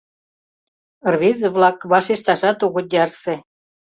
Рвезе-влак вашешташат огыт ярсе.